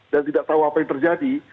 dan tidak tahu apa yang terjadi